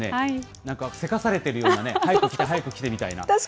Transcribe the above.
なんかせかされてるようなね、早く来て、早く来てみたいな。